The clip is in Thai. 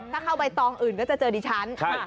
ถ้าเข้าใบตองอื่นก็จะเจอดิฉัน